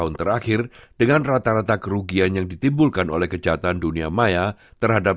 untuk memperkuat kapasitas cyber kita